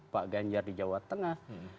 pak ganjar di jawa tengah